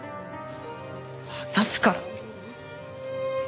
渡すから。